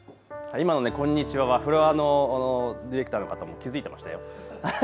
今のこんにちははフロアディレクターの方も気付いてましたよ。